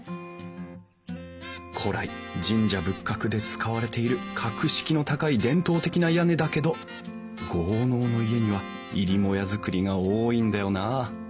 古来神社仏閣で使われている格式の高い伝統的な屋根だけど豪農の家には入母屋造りが多いんだよなあ。